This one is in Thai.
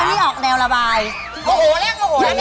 แล้วอันนี้ออกแนวระบายโอ้โหแล้วโอ้โหแล้ว